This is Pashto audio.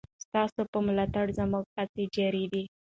ستاسو په ملاتړ زموږ هڅې جاري دي.